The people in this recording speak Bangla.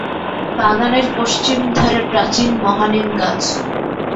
বাগানের পশ্চিম ধারে প্রাচীণ মহানিম গাছ।